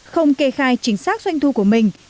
không kê khai chính xác doanh thu của mình